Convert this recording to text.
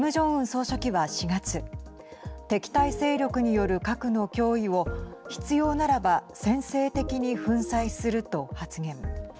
総書記は４月敵対勢力による核の脅威を必要ならば先制的に粉砕すると発言。